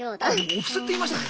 お布施って言いましたね！